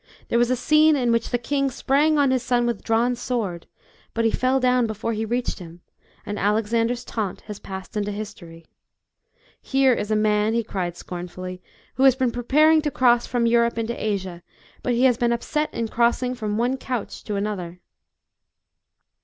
There was a scene, in which the king sprang on his son with drawn sword; but he fell down before he reached him, and Alexander's taunt has passed into history. "'Here is a man," he cried scornfully, "who has been preparing to cross from Europe into Asia, but he has been upset in crossing from one couch to another."